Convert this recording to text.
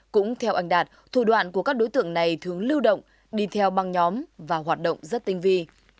cũng theo anh đạt thủ đoạn của các đối tượng này thường lưu động đi theo băng nhóm và hoạt động rất tinh vi